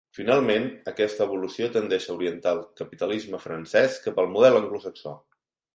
Finalment, aquesta evolució tendeix a orientar el capitalisme francès cap al model anglosaxó.